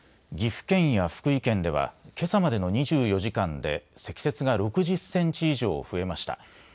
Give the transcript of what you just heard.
岐阜県や福井県では、けさまでの２４時間で積雪が６０センチ以上増えました。